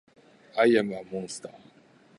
アイアムアモンスター